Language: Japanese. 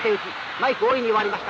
マイク強引に終わりました。